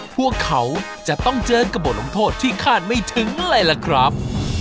พวกเขาจะต้องเจอกับบทลงโทษที่คาดไม่ถึงเลยล่ะครับ